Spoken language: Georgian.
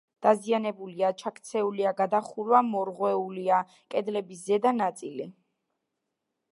დაზიანებულია, ჩაქცეულია გადახურვა, მორღვეულია კედლების ზედა ნაწილი.